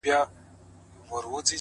• دا لا څه چي ټول دروغ وي ټول ریا وي ,